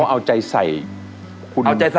เอาใจใสเลยนะ